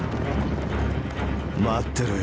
待ってろよ